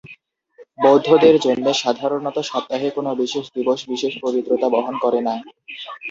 বৌদ্ধদের জন্যে সাধারণত সপ্তাহের কোন বিশেষ দিবস বিশেষ পবিত্রতা বহন করে না।